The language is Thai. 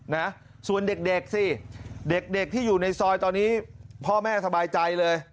นะส่วนเด็กสิเด็กเด็กที่อยู่ในซอยตอนนี้พ่อแม่สบายใจเลย